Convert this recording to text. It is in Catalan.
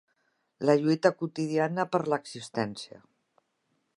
La lluita quotidiana per l'existència.